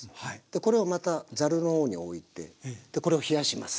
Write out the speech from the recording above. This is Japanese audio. これをまたざるの方に置いてこれを冷やします。